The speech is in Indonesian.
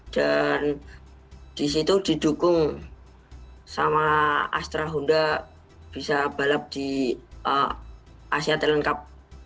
di situ didukung sama astra honda bisa balap di asia talent cup